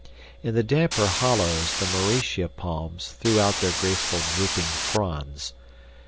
In the damper hollows the Mauritia palms threw out their graceful drooping fronds.